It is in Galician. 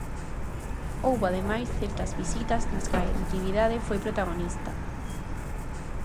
Houbo ademais certas visitas nas que a emotividade foi protagonista.